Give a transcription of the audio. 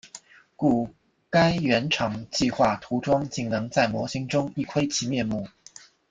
故该原厂计画涂装仅能在模型中一窥其面目。